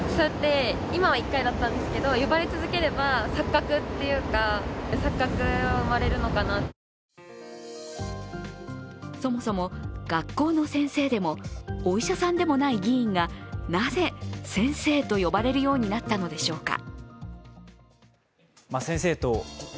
こちらの方は、先生と呼ばれたことがないというのでそもそも学校の先生でもお医者さんでもない議員がなぜ先生と呼ばれるようになったのでしょうか。